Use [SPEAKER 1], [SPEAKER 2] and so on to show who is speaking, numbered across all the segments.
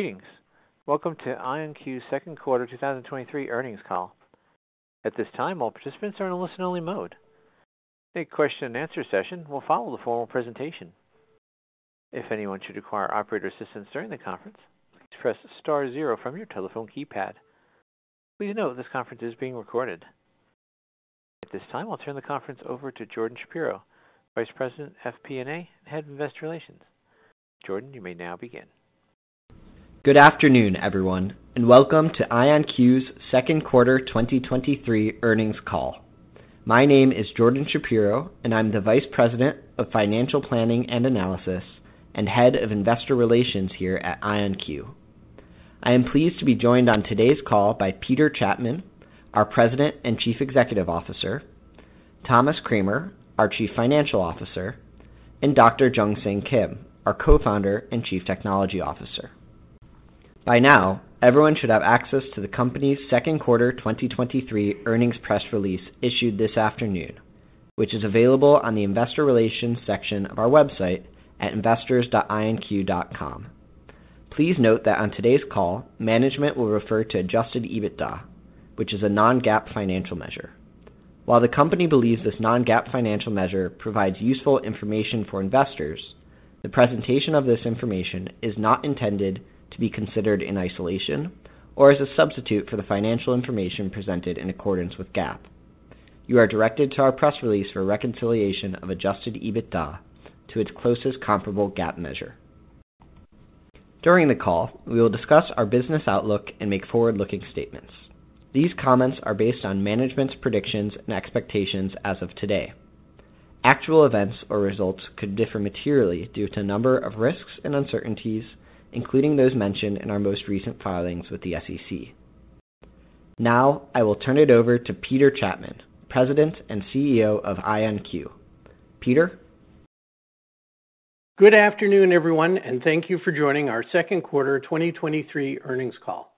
[SPEAKER 1] Greetings. Welcome to IonQ's second quarter 2023 earnings call. At this time, all participants are in a listen-only mode. A question and answer session will follow the formal presentation. If anyone should require operator assistance during the conference, please press star zero from your telephone keypad. Please note, this conference is being recorded. At this time, I'll turn the conference over to Jordan Shapiro, Vice President, FP&A, and Head of Investor Relations. Jordan, you may now begin.
[SPEAKER 2] Good afternoon, everyone, and welcome to IonQ's second quarter 2023 earnings call. My name is Jordan Shapiro, and I'm the Vice President of Financial Planning and Analysis and Head of Investor Relations here at IonQ. I am pleased to be joined on today's call by Peter Chapman, our President and Chief Executive Officer, Thomas Kramer, our Chief Financial Officer, and Dr. Jungsang Kim, our Co-Founder and Chief Technology Officer. By now, everyone should have access to the company's second quarter 2023 earnings press release issued this afternoon, which is available on the Investor Relations section of our website at investors.ionq.com. Please note that on today's call, management will refer to adjusted EBITDA, which is a non-GAAP financial measure. While the company believes this non-GAAP financial measure provides useful information for investors, the presentation of this information is not intended to be considered in isolation or as a substitute for the financial information presented in accordance with GAAP. You are directed to our press release for a reconciliation of adjusted EBITDA to its closest comparable GAAP measure. During the call, we will discuss our business outlook and make forward-looking statements. These comments are based on management's predictions and expectations as of today. Actual events or results could differ materially due to a number of risks and uncertainties, including those mentioned in our most recent filings with the SEC. Now, I will turn it over to Peter Chapman, President and CEO of IonQ. Peter?
[SPEAKER 3] Good afternoon, everyone, thank you for joining our second quarter 2023 earnings call.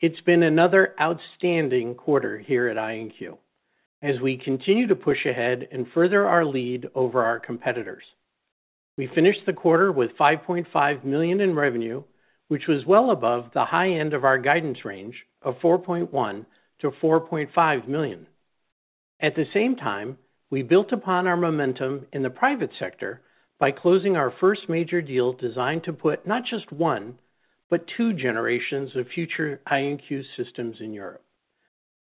[SPEAKER 3] It's been another outstanding quarter here at IonQ as we continue to push ahead and further our lead over our competitors. We finished the quarter with $5.5 million in revenue, which was well above the high end of our guidance range of $4.1 million-$4.5 million. At the same time, we built upon our momentum in the private sector by closing our first major deal designed to put not just one, but 2 generations of future IonQ systems in Europe.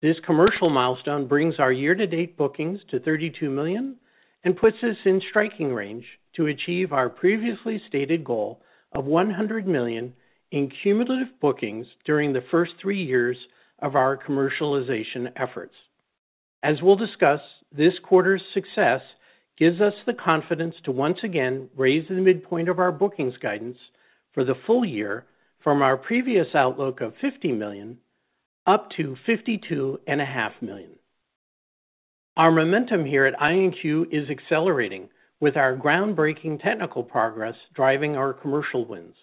[SPEAKER 3] This commercial milestone brings our year-to-date bookings to $32 million and puts us in striking range to achieve our previously stated goal of $100 million in cumulative bookings during the 3 years of our commercialization efforts. As we'll discuss, this quarter's success gives us the confidence to once again raise the midpoint of our bookings guidance for the full year from our previous outlook of $50 million up to $52.5 million. Our momentum here at IonQ is accelerating, with our groundbreaking technical progress driving our commercial wins.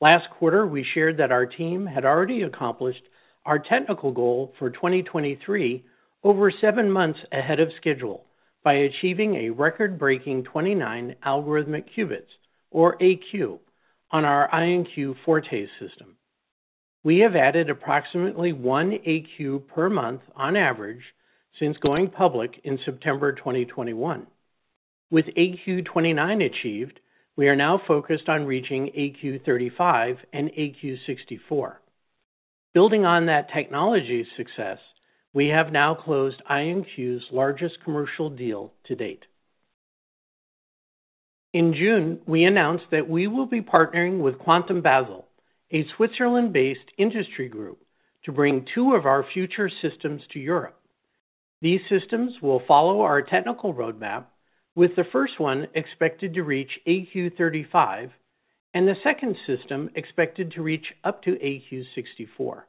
[SPEAKER 3] Last quarter, we shared that our team had already accomplished our technical goal for 2023 over seven months ahead of schedule by achieving a record-breaking 29 algorithmic qubits, or #AQ, on our IonQ Forte system. We have added approximately 1 #AQ per month on average since going public in September 2021. With #AQ 29 achieved, we are now focused on reaching #AQ 35 and #AQ 64. Building on that technology success, we have now closed IonQ's largest commercial deal to date. In June, we announced that we will be partnering with QuantumBasel, a Switzerland-based industry group, to bring two of our future systems to Europe. These systems will follow our technical roadmap, with the first one expected to reach #AQ 35 and the second system expected to reach up to #AQ 64.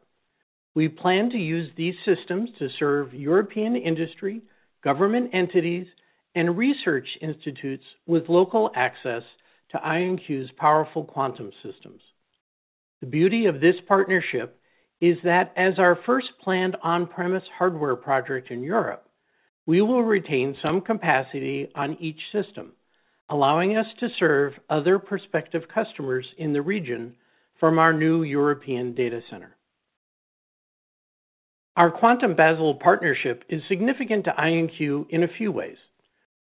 [SPEAKER 3] We plan to use these systems to serve European industry, government entities, and research institutes with local access to IonQ's powerful quantum systems. The beauty of this partnership is that as our first planned on-premise hardware project in Europe, we will retain some capacity on each system, allowing us to serve other prospective customers in the region from our new European data center. Our QuantumBasel partnership is significant to IonQ in a few ways.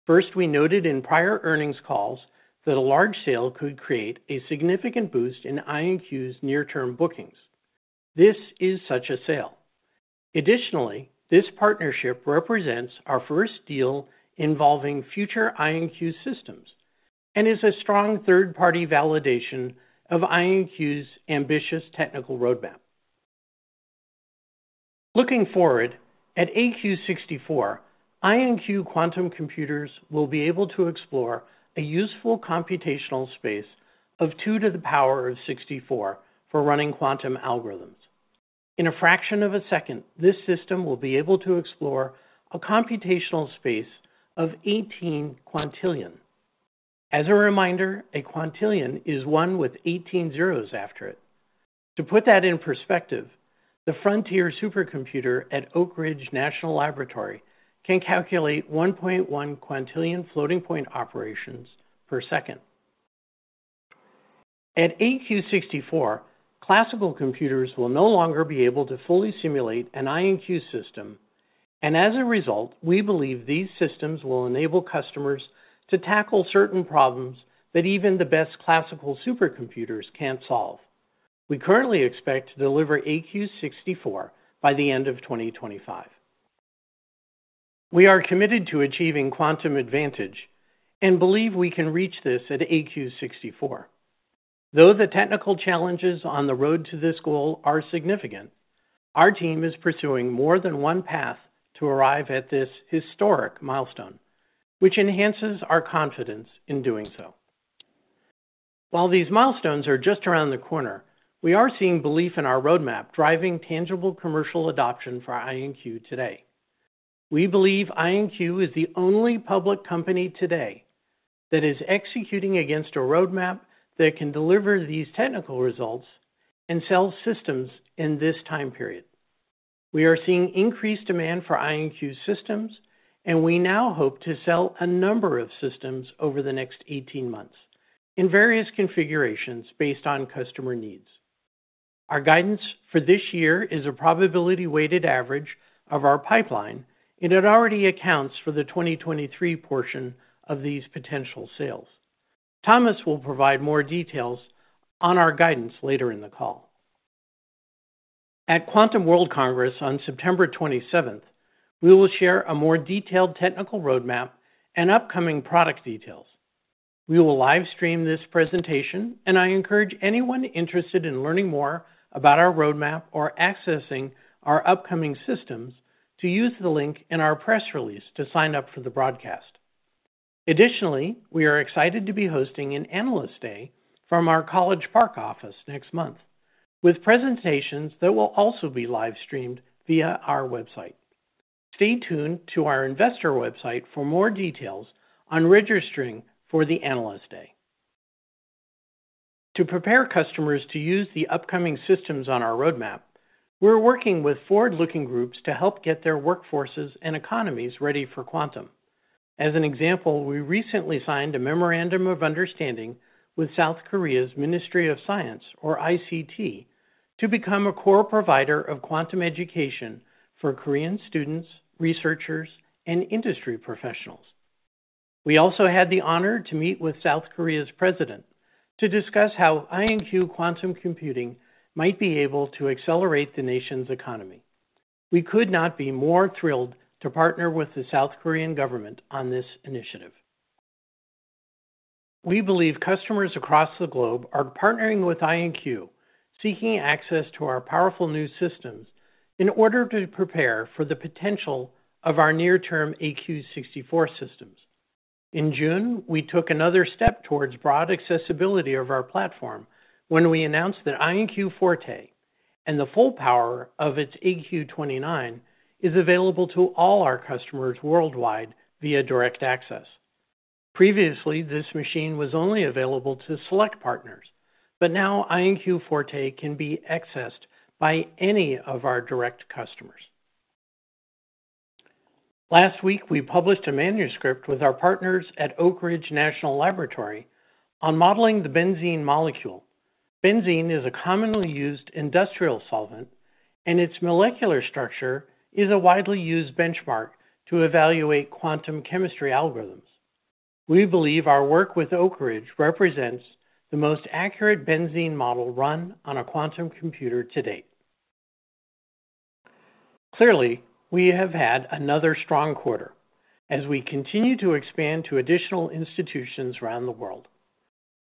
[SPEAKER 3] First, we noted in prior earnings calls that a large sale could create a significant boost in IonQ's near-term bookings. This is such a sale. Additionally, this partnership represents our first deal involving future IonQ systems and is a strong third-party validation of IonQ's ambitious technical roadmap. Looking forward, at AQ 64, IonQ quantum computers will be able to explore a useful computational space of 2 to the power of 64 for running quantum algorithms. In a fraction of a second, this system will be able to explore a computational space of 18 quintillion. As a reminder, a quintillion is 1 with 18 zeros after it. To put that in perspective... The Frontier supercomputer at Oak Ridge National Laboratory can calculate 1.1 quintillion floating-point operations per second. At AQ 64, classical computers will no longer be able to fully simulate an IonQ system, and as a result, we believe these systems will enable customers to tackle certain problems that even the best classical supercomputers can't solve. We currently expect to deliver AQ 64 by the end of 2025. We are committed to achieving quantum advantage and believe we can reach this at AQ 64. Though the technical challenges on the road to this goal are significant, our team is pursuing more than one path to arrive at this historic milestone, which enhances our confidence in doing so. While these milestones are just around the corner, we are seeing belief in our roadmap driving tangible commercial adoption for IonQ today. We believe IonQ is the only public company today that is executing against a roadmap that can deliver these technical results and sell systems in this time period. We are seeing increased demand for IonQ systems, and we now hope to sell a number of systems over the next 18 months in various configurations based on customer needs. Our guidance for this year is a probability weighted average of our pipeline, and it already accounts for the 2023 portion of these potential sales. Thomas will provide more details on our guidance later in the call. At Quantum World Congress on September 27th, we will share a more detailed technical roadmap and upcoming product details. We will live stream this presentation, and I encourage anyone interested in learning more about our roadmap or accessing our upcoming systems to use the link in our press release to sign up for the broadcast. Additionally, we are excited to be hosting an Analyst Day from our College Park office next month, with presentations that will also be live streamed via our website. Stay tuned to our investor website for more details on registering for the Analyst Day. To prepare customers to use the upcoming systems on our roadmap, we're working with forward-looking groups to help get their workforces and economies ready for Quantum. As an example, we recently signed a memorandum of understanding with South Korea's Ministry of Science and ICT to become a core provider of quantum education for Korean students, researchers, and industry professionals. We also had the honor to meet with South Korea's President to discuss how IonQ quantum computing might be able to accelerate the nation's economy. We could not be more thrilled to partner with the South Korean government on this initiative. We believe customers across the globe are partnering with IonQ, seeking access to our powerful new systems in order to prepare for the potential of our near-term AQ 64 systems. In June, we took another step towards broad accessibility of our platform when we announced that IonQ Forte and the full power of its AQ 29 is available to all our customers worldwide via direct access. Previously, this machine was only available to select partners, but now IonQ Forte can be accessed by any of our direct customers. Last week, we published a manuscript with our partners at Oak Ridge National Laboratory on modeling the Benzene molecule. Benzene is a commonly used industrial solvent, and its molecular structure is a widely used benchmark to evaluate quantum chemistry algorithms. We believe our work with Oak Ridge represents the most accurate Benzene model run on a quantum computer to date. Clearly, we have had another strong quarter as we continue to expand to additional institutions around the world.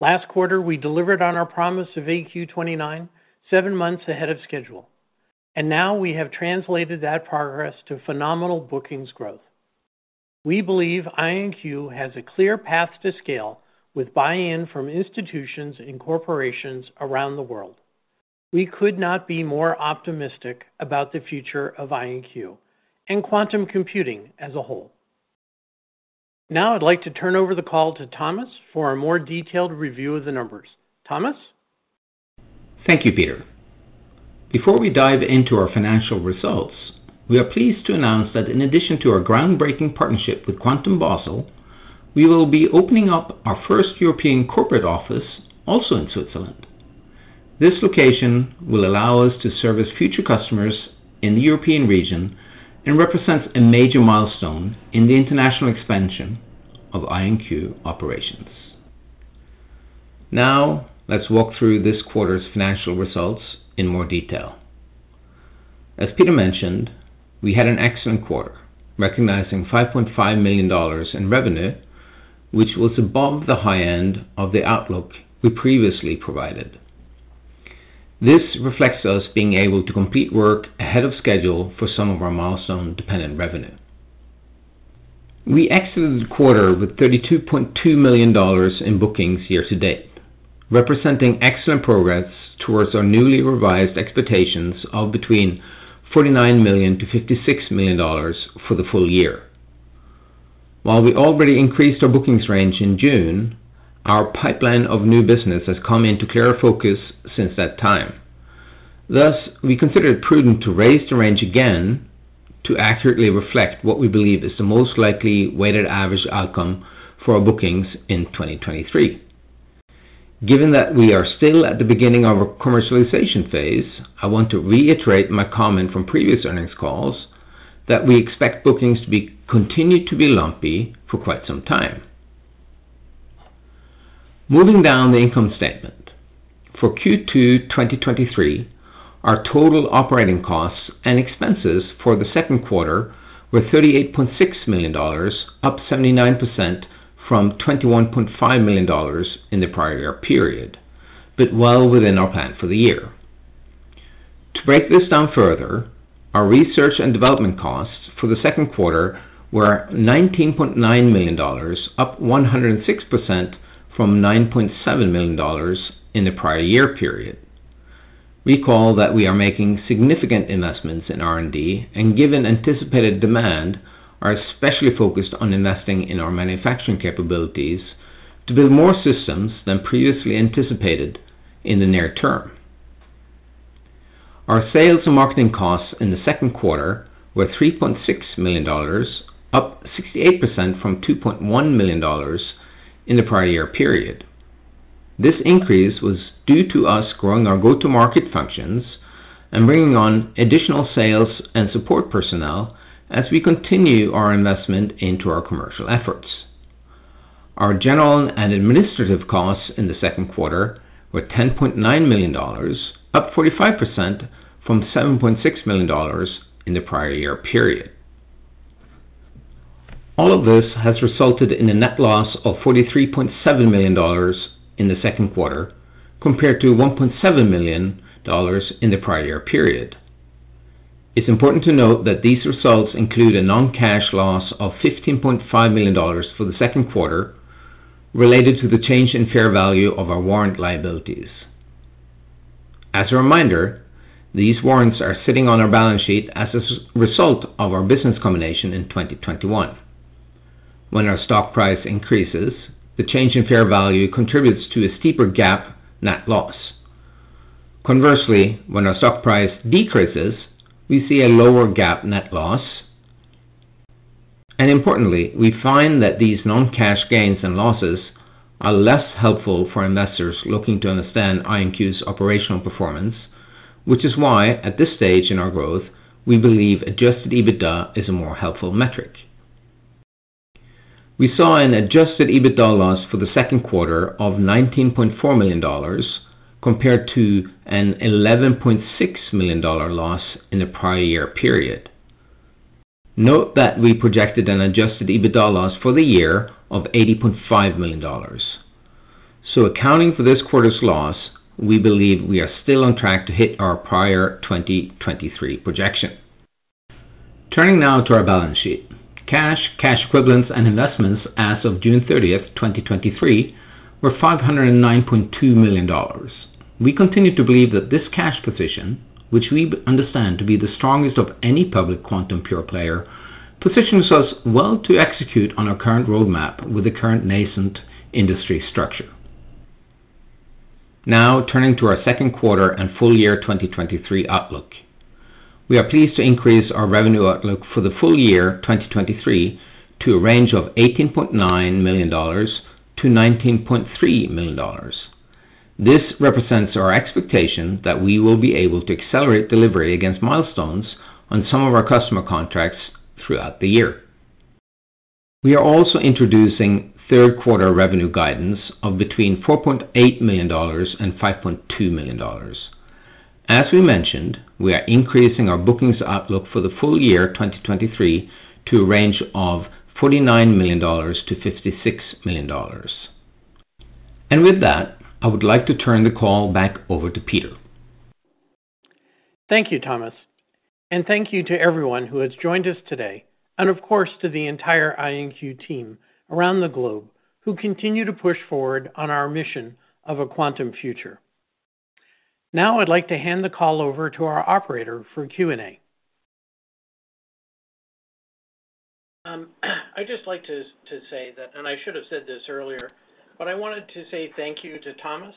[SPEAKER 3] Last quarter, we delivered on our promise of AQ 29, seven months ahead of schedule, and now we have translated that progress to phenomenal bookings growth. We believe IonQ has a clear path to scale with buy-in from institutions and corporations around the world. We could not be more optimistic about the future of IonQ and quantum computing as a whole. Now, I'd like to turn over the call to Thomas for a more detailed review of the numbers. Thomas?
[SPEAKER 4] Thank you, Peter. Before we dive into our financial results, we are pleased to announce that in addition to our groundbreaking partnership with QuantumBasel, we will be opening up our first European corporate office also in Switzerland. This location will allow us to service future customers in the European region and represents a major milestone in the international expansion of IonQ operations. Now, let's walk through this quarter's financial results in more detail. As Peter mentioned, we had an excellent quarter, recognizing $5.5 million in revenue, which was above the high end of the outlook we previously provided. This reflects us being able to complete work ahead of schedule for some of our milestone-dependent revenue. We exited the quarter with $32.2 million in bookings year to date, representing excellent progress towards our newly revised expectations of between $49 million-$56 million for the full year. While we already increased our bookings range in June, our pipeline of new business has come into clearer focus since that time. Thus, we consider it prudent to raise the range again to accurately reflect what we believe is the most likely weighted average outcome for our bookings in 2023. Given that we are still at the beginning of our commercialization phase, I want to reiterate my comment from previous earnings calls that we expect bookings to be continued to be lumpy for quite some time. Moving down the income statement. For Q2-2023, our total operating costs and expenses for the second quarter were $38.6 million, up 79% from $21.5 million in the prior year period. Well within our plan for the year. To break this down further, our R&D costs for the second quarter were $19.9 million, up 106% from $9.7 million in the prior year period. Recall that we are making significant investments in R&D, and given anticipated demand, are especially focused on investing in our manufacturing capabilities to build more systems than previously anticipated in the near term. Our sales and marketing costs in the second quarter were $3.6 million, up 68% from $2.1 million in the prior year period. This increase was due to us growing our go-to-market functions and bringing on additional sales and support personnel as we continue our investment into our commercial efforts. Our general and administrative costs in the second quarter were $10.9 million, up 45% from $7.6 million in the prior year period. All of this has resulted in a net loss of $43.7 million in the second quarter, compared to $1.7 million in the prior year period. It's important to note that these results include a non-cash loss of $15.5 million for the second quarter, related to the change in fair value of our warrant liabilities. As a reminder, these warrants are sitting on our balance sheet as a result of our business combination in 2021. When our stock price increases, the change in fair value contributes to a steeper GAAP net loss. Conversely, when our stock price decreases, we see a lower GAAP net loss, and importantly, we find that these non-cash gains and losses are less helpful for investors looking to understand IonQ's operational performance, which is why, at this stage in our growth, we believe adjusted EBITDA is a more helpful metric. We saw an adjusted EBITDA loss for the second quarter of $19.4 million, compared to an $11.6 million loss in the prior year period. Accounting for this quarter's loss, we believe we are still on track to hit our prior 2023 projection. Turning now to our balance sheet. Cash, cash equivalents, and investments as of June 30th, 2023, were $509.2 million. We continue to believe that this cash position, which we understand to be the strongest of any public quantum pure player, positions us well to execute on our current roadmap with the current nascent industry structure. Now, turning to our second quarter and full year 2023 outlook. We are pleased to increase our revenue outlook for the full year 2023 to a range of $18.9 million-$19.3 million. This represents our expectation that we will be able to accelerate delivery against milestones on some of our customer contracts throughout the year. We are also introducing third quarter revenue guidance of between $4.8 million and $5.2 million. As we mentioned, we are increasing our bookings outlook for the full year 2023 to a range of $49 million-$56 million. With that, I would like to turn the call back over to Peter.
[SPEAKER 3] Thank you, Thomas, and thank you to everyone who has joined us today, and of course, to the entire IonQ team around the globe who continue to push forward on our mission of a quantum future. Now I'd like to hand the call over to our operator for Q&A. I'd just like to say that. I should have said this earlier, but I wanted to say thank you to Thomas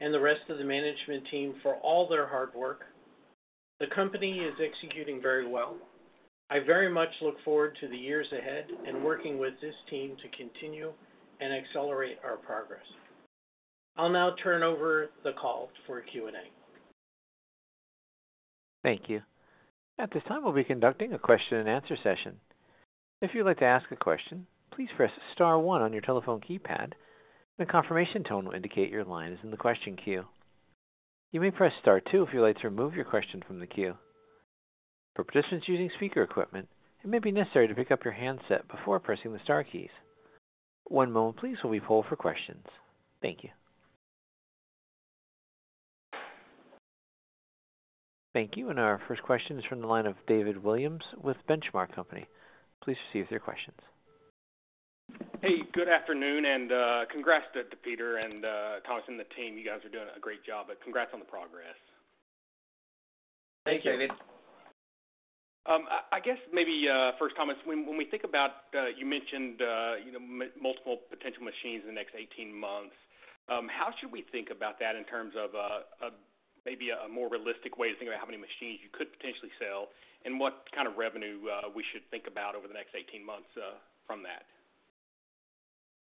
[SPEAKER 3] and the rest of the management team for all their hard work. The company is executing very well. I very much look forward to the years ahead and working with this team to continue and accelerate our progress. I'll now turn over the call for Q&A.
[SPEAKER 1] Thank you. At this time, we'll be conducting a question and answer session. If you'd like to ask a question, please press star one on your telephone keypad, and a confirmation tone will indicate your line is in the question queue. You may press star two if you'd like to remove your question from the queue. For participants using speaker equipment, it may be necessary to pick up your handset before pressing the star keys. One moment please, while we poll for questions. Thank you. Thank you. Our first question is from the line of David Williams with Benchmark Company. Please proceed with your questions.
[SPEAKER 5] Hey, good afternoon, and congrats to, to Peter and Thomas and the team. You guys are doing a great job, but congrats on the progress.
[SPEAKER 3] Thank you, David.
[SPEAKER 5] I guess maybe, first comments, when, when we think about, you mentioned, you know, multiple potential machines in the next 18 months, how should we think about that in terms of, a, maybe a more realistic way to think about how many machines you could potentially sell, and what kind of revenue, we should think about over the next 18 months, from that?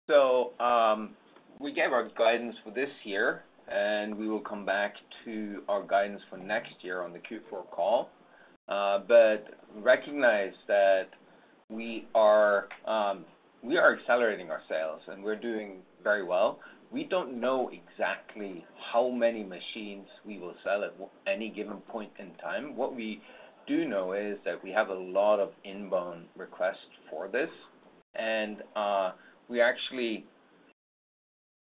[SPEAKER 4] We gave our guidance for this year, and we will come back to our guidance for next year on the Q4 call. Recognize that we are accelerating our sales, and we're doing very well. We don't know exactly how many machines we will sell at any given point in time. What we do know is that we have a lot of inbound requests for this. We actually,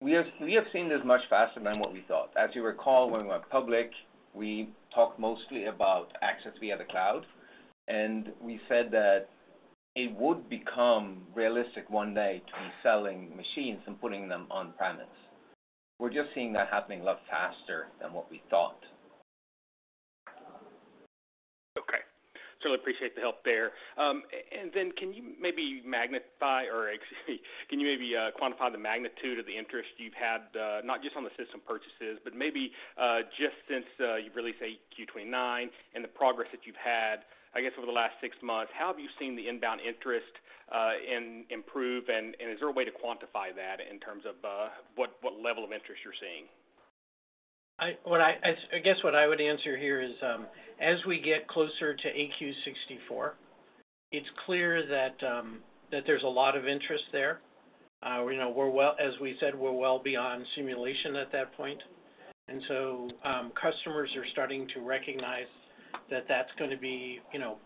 [SPEAKER 4] we have, we have seen this much faster than what we thought. As you recall, when we went public, we talked mostly about access via the cloud, and we said that it would become realistic one day to be selling machines and putting them on-premise. We're just seeing that happening a lot faster than what we thought.
[SPEAKER 5] Okay. Appreciate the help there. Can you maybe magnify, or actually, can you maybe, quantify the magnitude of the interest you've had, not just on the system purchases, but maybe, just since, you released AQ 29 and the progress that you've had, I guess, over the last 6 months, how have you seen the inbound interest, in improve, and, and is there a way to quantify that in terms of, what, what level of interest you're seeing?
[SPEAKER 3] I guess what I would answer here is, as we get closer to AQ 64, it's clear that there's a lot of interest there. We know we're well. As we said, we're well beyond simulation at that point, customers are starting to recognize that that's going to be, you know,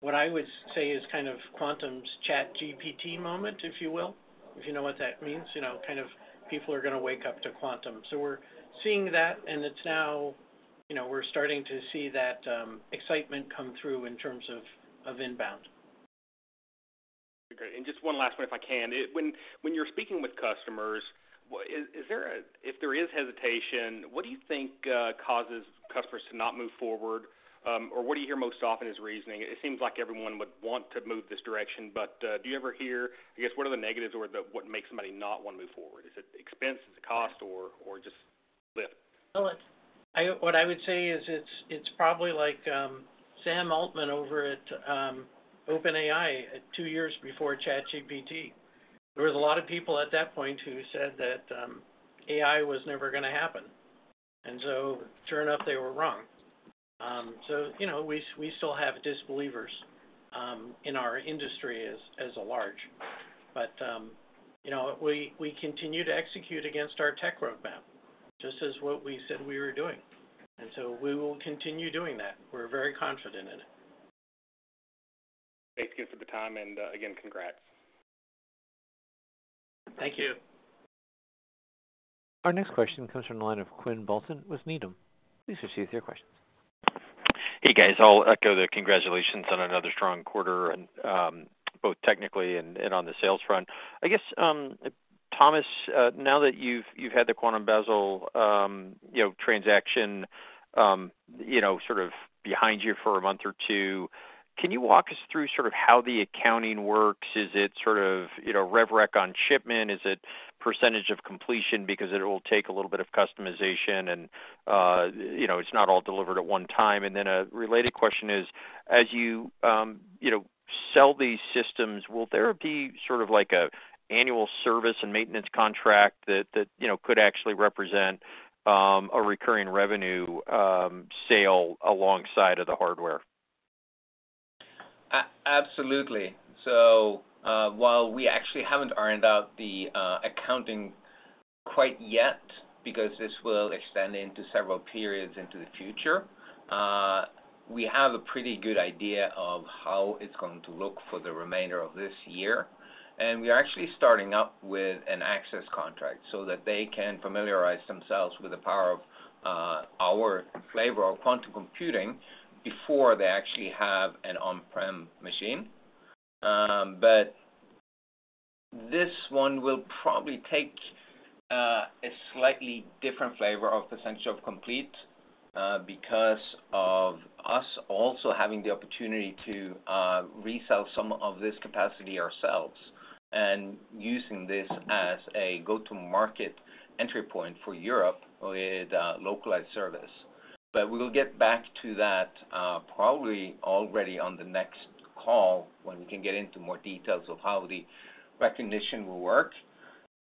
[SPEAKER 3] what I would say is kind of Quantum's ChatGPT moment, if you will. If you know what that means, you know, kind of people are going to wake up to Quantum. We're seeing that, and it's now, you know, we're starting to see that excitement come through in terms of, of inbound.
[SPEAKER 5] Okay, just one last one, if I can. When, when you're speaking with customers, is there if there is hesitation, what do you think causes customers to not move forward, or what do you hear most often as reasoning? It seems like everyone would want to move this direction, do you ever hear, I guess, what are the negatives or the, what makes somebody not want to move forward? Is it expense, is it cost, or just lift?
[SPEAKER 3] Well, what I would say is it's, it's probably like Sam Altman over at OpenAI 2 years before ChatGPT. There was a lot of people at that point who said that AI was never gonna happen. Sure enough, they were wrong. You know, we still have disbelievers in our industry as a large. You know, we continue to execute against our tech roadmap, just as what we said we were doing. We will continue doing that. We're very confident in it.
[SPEAKER 5] Thanks, again, for the time, and again, congrats.
[SPEAKER 3] Thank you.
[SPEAKER 1] Our next question comes from the line of Quinn Bolton with Needham. Please proceed with your question.
[SPEAKER 6] Hey, guys. I'll echo the congratulations on another strong quarter and both technically and on the sales front. I guess Thomas, now that you've, you've had the QuantumBasel, you know, transaction, you know, sort of behind you for a month or two, can you walk us through sort of how the accounting works? Is it sort of, you know, rev rec on shipment? Is it percentage of completion because it will take a little bit of customization and, you know, it's not all delivered at one time? A related question is, as you, you know, sell these systems, will there be sort of like a annual service and maintenance contract that, that, you know, could actually represent a recurring revenue sale alongside of the hardware?
[SPEAKER 4] Absolutely. While we actually haven't ironed out the accounting quite yet, because this will extend into several periods into the future, we have a pretty good idea of how it's going to look for the remainder of this year. We are actually starting up with an access contract so that they can familiarize themselves with the power of our flavor of quantum computing before they actually have an on-prem machine. This one will probably take a slightly different flavor of percentage of complete because of us also having the opportunity to resell some of this capacity ourselves and using this as a go-to-market entry point for Europe with a localized service. We will get back to that probably already on the next call, when we can get into more details of how the recognition will work.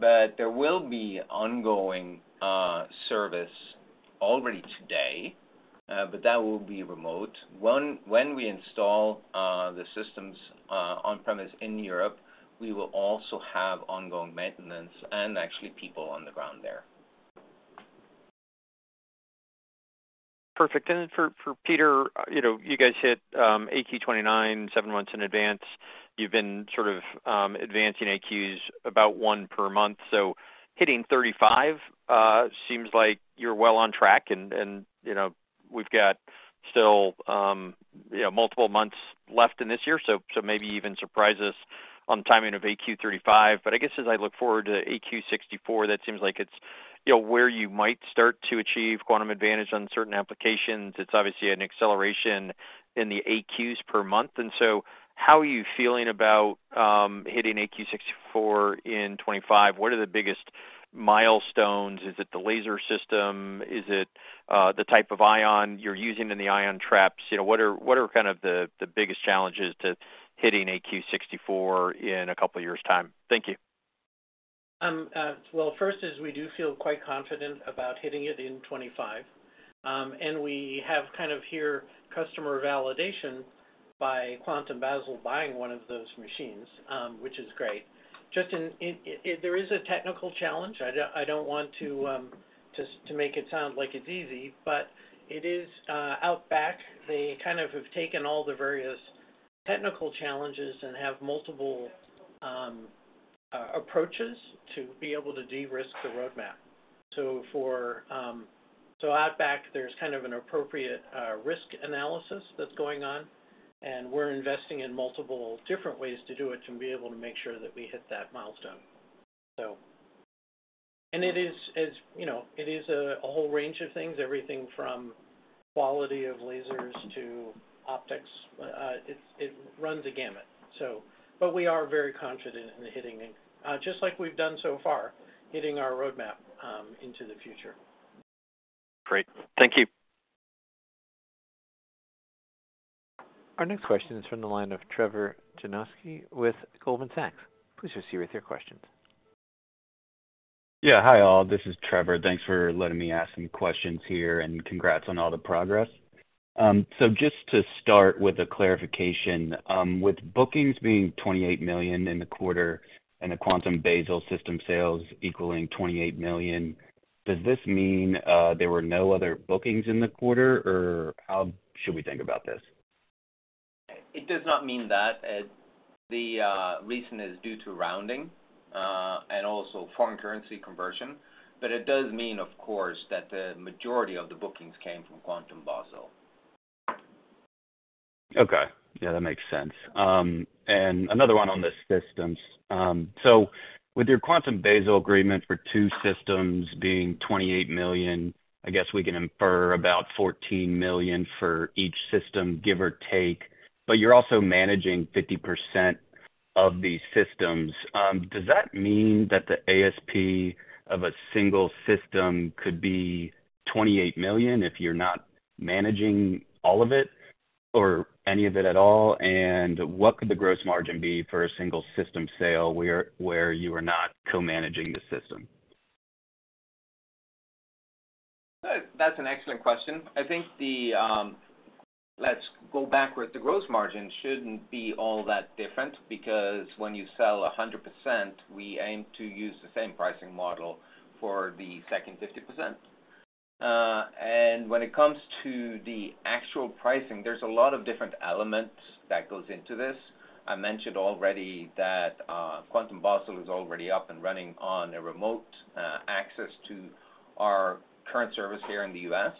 [SPEAKER 4] There will be ongoing service already today, but that will be remote. When we install the systems On-premise in Europe, we will also have ongoing maintenance and actually people on the ground there.
[SPEAKER 6] Perfect. For Peter, you know, you guys hit, AQ 29, 7 months in advance. You've been sort of, advancing AQs about 1 per month, hitting 35, seems like you're well on track and, and, you know, we've got still, you know, multiple months left in this year, maybe even surprise us on the timing of AQ 35. I guess as I look forward to AQ 64, that seems like it's, you know, where you might start to achieve quantum advantage on certain applications. It's obviously an acceleration in the AQs per month, how are you feeling about hitting AQ 64 in 2025? What are the biggest milestones? Is it the laser system? Is it the type of ion you're using in the ion traps? You know, what are, what are kind of the, the biggest challenges to hitting AQ 64 in a couple of years' time? Thank you.
[SPEAKER 3] Well, first is we do feel quite confident about hitting it in 25. We have here customer validation by QuantumBasel buying one of those machines, which is great. Just, there is a technical challenge. I don't want to make it sound like it's easy, but it is our tech, they have taken all the various technical challenges and have multiple approaches to be able to de-risk the roadmap for our tech, there's an appropriate risk analysis that's going on, and we're investing in multiple different ways to do it, to be able to make sure that we hit that milestone. It is, as you know, it is a, a whole range of things, everything from quality of lasers to optics, it, it runs the gamut, so. We are very confident in hitting it, just like we've done so far, hitting our roadmap, into the future.
[SPEAKER 6] Great. Thank you.
[SPEAKER 1] Our next question is from the line of Trevor Janoskie with Goldman Sachs. Please proceed with your questions.
[SPEAKER 7] Hi, all. This is Trevor. Thanks for letting me ask some questions here, and congrats on all the progress. Just to start with a clarification, with bookings being $28 million in the quarter and the QuantumBasel system sales equaling $28 million, does this mean there were no other bookings in the quarter, or how should we think about this?
[SPEAKER 4] It does not mean that. The reason is due to rounding, and also foreign currency conversion. It does mean, of course, that the majority of the bookings came from Quantum Basel.
[SPEAKER 7] Okay. Yeah, that makes sense. Another one on the systems. With your QuantumBasel agreement for two systems being $28 million, I guess we can infer about $14 million for each system, give or take, but you're also managing 50% of these systems. Does that mean that the ASP of a single system could be $28 million if you're not managing all of it or any of it at all? What could the gross margin be for a single system sale, where you are not co-managing the system?
[SPEAKER 4] Good. That's an excellent question. I think the, let's go backward. The gross margin shouldn't be all that different because when you sell 100%, we aim to use the same pricing model for the second 50%. When it comes to the actual pricing, there's a lot of different elements that goes into this. I mentioned already that QuantumBasel is already up and running on a remote access to our current service here in the U.S.,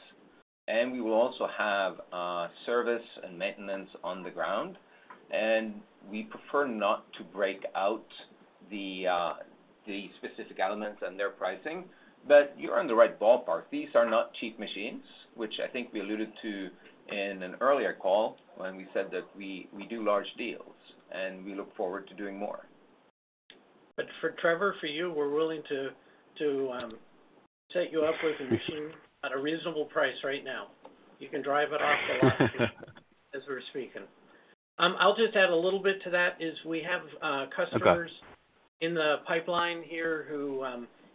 [SPEAKER 4] and we will also have service and maintenance on the ground, and we prefer not to break out the specific elements and their pricing, but you're in the right ballpark. These are not cheap machines, which I think we alluded to in an earlier call when we said that we, we do large deals, and we look forward to doing more.
[SPEAKER 3] For Trevor, for you, we're willing to, to set you up with a machine at a reasonable price right now. You can drive it off the lot as we're speaking. I'll just add a little bit to that, is we have.
[SPEAKER 7] Okay...
[SPEAKER 3] customers in the pipeline here who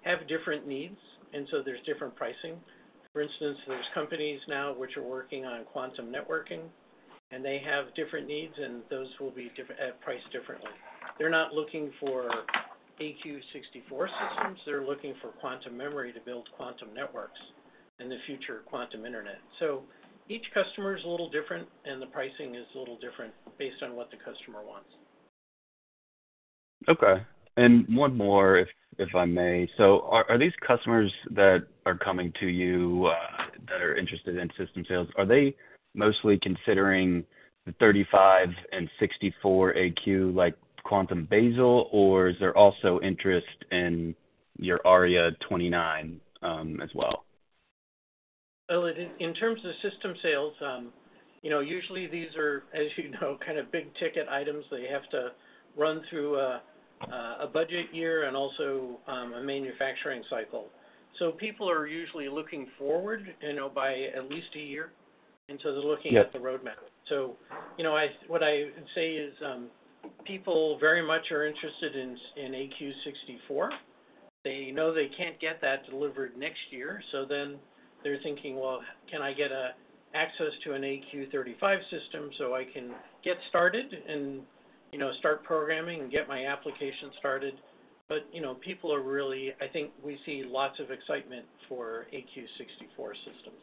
[SPEAKER 3] have different needs, and so there's different pricing. For instance, there's companies now which are working on quantum networking, and they have different needs, and those will be diff priced differently. They're not looking for AQ 64 systems. They're looking for quantum memory to build quantum networks in the future quantum internet. So each customer is a little different, and the pricing is a little different based on what the customer wants.
[SPEAKER 7] Okay. One more, if, if I may. Are, are these customers that are coming to you, that are interested in system sales, are they mostly considering the 35 and 64 AQ, like QuantumBasel, or is there also interest in your Aria, as well?
[SPEAKER 3] Well, in, in terms of system sales, you know, usually these are, as you know, kind of big-ticket items that you have to run through a budget year and also, a manufacturing cycle. People are usually looking forward, you know, by at least a year, and so-
[SPEAKER 7] Yeah...
[SPEAKER 3] they're looking at the roadmap. you know, I, what I would say is, people very much are interested in, in AQ 64. They know they can't get that delivered next year, they're thinking, "Well, can I get access to an AQ 35 system so I can get started and, you know, start programming and get my application started?" you know, people are really I think we see lots of excitement for AQ 64 systems.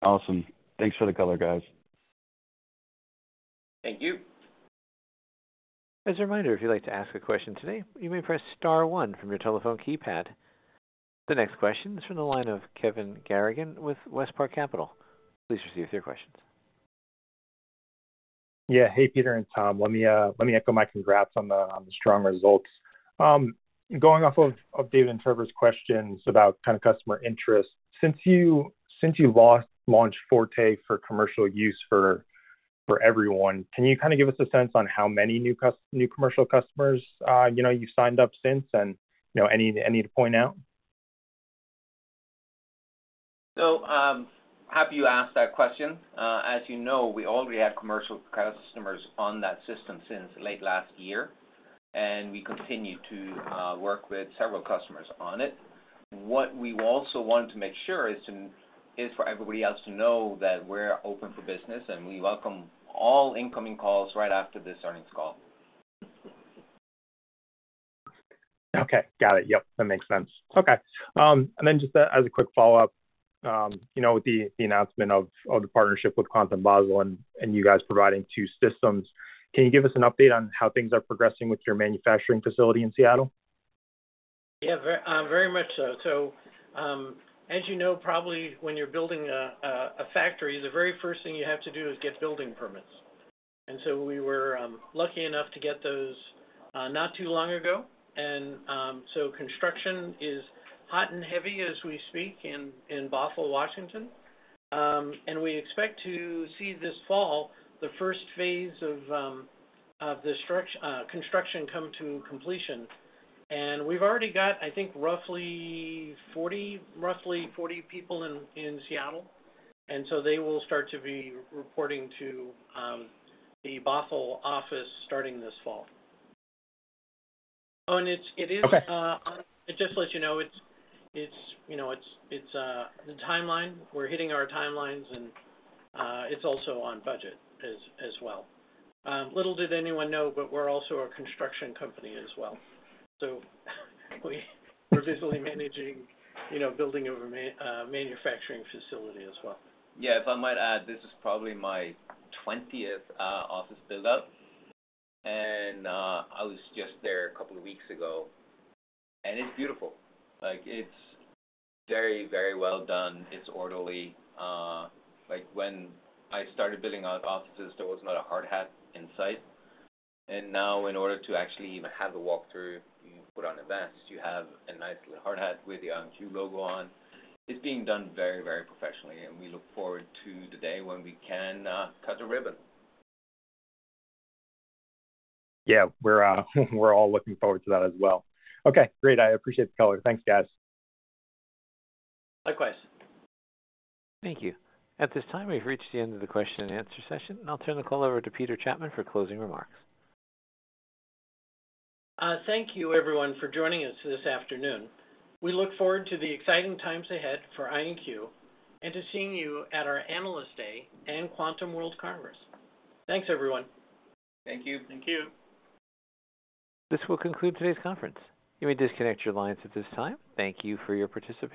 [SPEAKER 7] Awesome. Thanks for the color, guys.
[SPEAKER 4] Thank you.
[SPEAKER 1] As a reminder, if you'd like to ask a question today, you may press star one from your telephone keypad. The next question is from the line of Kevin Garrigan with WestPark Capital. Please proceed with your questions.
[SPEAKER 8] Yeah. Hey, Peter and Thomas, let me let me echo my congrats on the, on the strong results. Going off of David and Trevor's questions about kind of customer interest, since you, since you've launched Forte for commercial use for, for everyone, can you kind of give us a sense on how many new new commercial customers, you know, you've signed up since, and, you know, any, any to point out?
[SPEAKER 4] Happy you asked that question. As you know, we already had commercial customers on that system since late last year, and we continue to work with several customers on it. What we also want to make sure is for everybody else to know that we're open for business, and we welcome all incoming calls right after this earnings call.
[SPEAKER 8] Okay. Got it. Yep, that makes sense. Okay. And then just as a quick follow-up, you know, with the announcement of the partnership with QuantumBasel and you guys providing 2 systems, can you give us an update on how things are progressing with your manufacturing facility in Seattle?
[SPEAKER 3] Yeah, very much so. So, as you know, probably when you're building a factory, the very first thing you have to do is get building permits. So we were lucky enough to get those not too long ago. So construction is hot and heavy as we speak in Bothell, Washington. We expect to see this fall, the first phase of construction come to completion. We've already got, I think, roughly 40 people in Seattle, and so they will start to be reporting to the Bothell office starting this fall. Oh.
[SPEAKER 8] Okay.
[SPEAKER 3] It is... Just to let you know, it's you know, it's the timeline, we're hitting our timelines, and it's also on budget as well. Little did anyone know, but we're also a construction company as well. We're visually managing, you know, building a manufacturing facility as well.
[SPEAKER 4] Yeah, if I might add, this is probably my 20th office build-out, and I was just there a couple of weeks ago, and it's beautiful. Like, it's very, very well done. It's orderly. Like, when I started building out offices, there was not a hard hat in sight, and now, in order to actually even have a walkthrough, you put on a vest. You have a nice hard hat with the IonQ logo on. It's being done very, very professionally, and we look forward to the day when we can cut a ribbon.
[SPEAKER 8] Yeah, we're, we're all looking forward to that as well. Okay, great. I appreciate the color. Thanks, guys.
[SPEAKER 4] My pleasure.
[SPEAKER 1] Thank you. At this time, we've reached the end of the question and answer session. I'll turn the call over to Peter Chapman for closing remarks.
[SPEAKER 3] Thank you, everyone, for joining us this afternoon. We look forward to the exciting times ahead for IonQ, and to seeing you at our Analyst Day and Quantum World Congress. Thanks, everyone.
[SPEAKER 4] Thank you.
[SPEAKER 8] Thank you.
[SPEAKER 1] This will conclude today's conference. You may disconnect your lines at this time. Thank you for your participation.